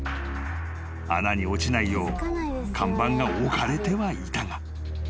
［穴に落ちないよう看板が置かれてはいたが］